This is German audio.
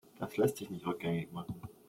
Das lässt sich nicht rückgängig machen.